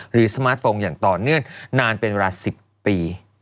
สมาร์ทโฟนอย่างต่อเนื่องนานเป็นเวลา๑๐ปี